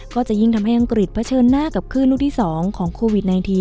ก็จะยิ่งทำให้อังกฤษเผชิญหน้ากับคลื่นลูกที่๒ของโควิด๑๙